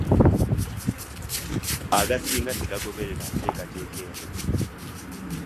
Agasinga tegagoberera nteekateeka eno.